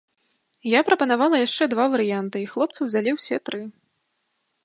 Я прапанавала яшчэ два варыянты і хлопцы ўзялі ўсе тры.